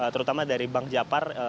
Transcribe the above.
terutama dari bank jafar